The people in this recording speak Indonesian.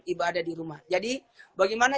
ibadah di rumah jadi bagaimana